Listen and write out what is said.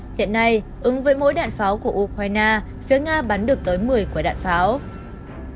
hiện nay ứng với mỗi đạn pháo của ukraine phía nga bắn được tới một mươi quả đạn pháo